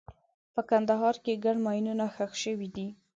په کندهار کې ګڼ ماینونه ښخ شوي دي.